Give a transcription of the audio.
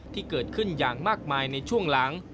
ที่เกิดขึ้นอย่างมากมายในช่วงหลัง